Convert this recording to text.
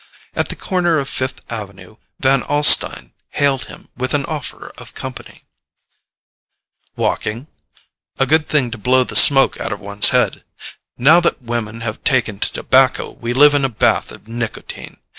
At the corner of Fifth Avenue Van Alstyne hailed him with an offer of company. "Walking? A good thing to blow the smoke out of one's head. Now that women have taken to tobacco we live in a bath of nicotine.